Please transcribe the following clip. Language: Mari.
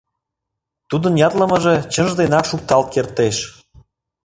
Тудын ятлымыже чынже денак шукталт кертеш».